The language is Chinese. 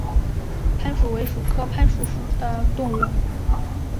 攀鼠为鼠科攀鼠属的动物。